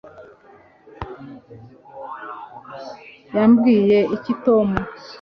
wabwiye iki tom